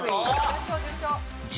順調順調。